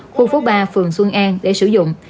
khu phố ba phường xuân an để sử dụng